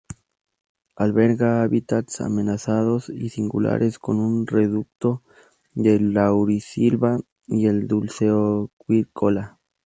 Alberga hábitats amenazados y singulares como son un reducto de laurisilva y el dulceacuícola.